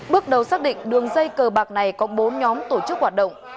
bước đầu xác định đường dây cờ bạc này có bốn nhóm tổ chức hoạt động